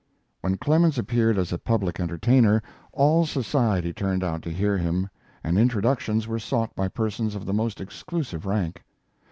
When Clemens appeared as a public entertainer all society turned out to hear him and introductions were sought by persons of the most exclusive rank.